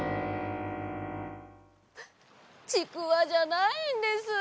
ちくわじゃないんです。